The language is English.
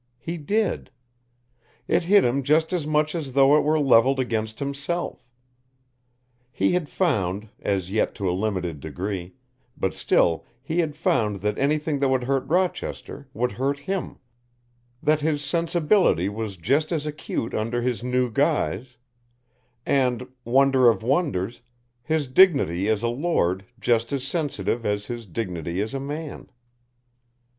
He did. It hit him just as much as though it were levelled against himself. He had found, as yet to a limited degree, but still he had found that anything that would hurt Rochester would hurt him, that his sensibility was just as acute under his new guise, and, wonder of wonders, his dignity as a Lord just as sensitive as his dignity as a man.